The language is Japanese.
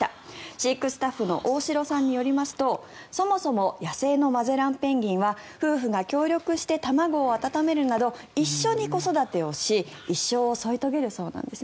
飼育スタッフの大城さんによりますとそもそも野生のマゼランペンギンは夫婦が協力して卵を温めるなど一緒に子育てをし一生を添い遂げるそうです。